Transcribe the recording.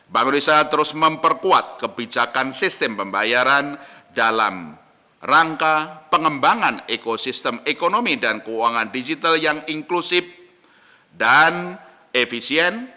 bank indonesia terus memperkuat kebijakan sistem pembayaran dalam rangka pengembangan ekosistem ekonomi dan keuangan digital yang inklusif dan efisien